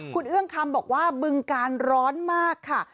คุณเอื้องคำบอกว่าบึงการร้อนมากค่ะ